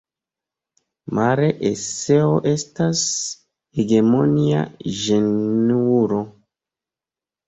Male eseo estas hegemonia ĝenro.